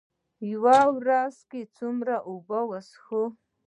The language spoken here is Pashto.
په ورځ کې څومره اوبه وڅښو؟